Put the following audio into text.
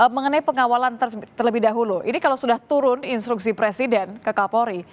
mengenai pengawalan terlebih dahulu ini kalau sudah turun instruksi presiden ke kapolri